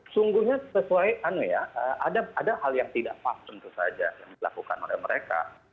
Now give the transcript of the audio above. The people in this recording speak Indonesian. sungguhnya sesuai ada hal yang tidak pas tentu saja yang dilakukan oleh mereka